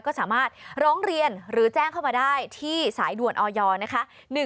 ก็สามารถร้องเรียนหรือแจ้งเข้ามาได้ที่สายด่วนออยนะคะ